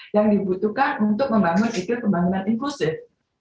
yang dibutuhkan untuk membangun sistem pembangunan inklusif